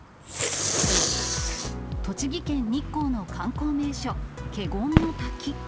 栃木県日光の観光名所、華厳の滝。